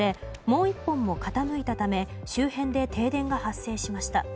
もう１本も傾いたため周辺で停電が発生しました。